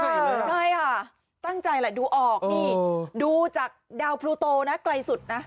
ใช่ค่ะตั้งใจแหละดูออกนี่ดูจากดาวพลูโตนะไกลสุดนะ